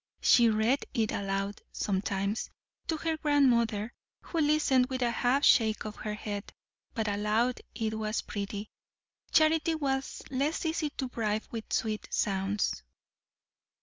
She read it aloud, sometimes, to her grandmother, who listened with a half shake of her head, but allowed it was pretty. Charity was less easy to bribe with sweet sounds.